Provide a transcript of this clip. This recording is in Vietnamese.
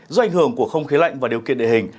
do ảnh hưởng của không khí lạnh và điều kiện địa hình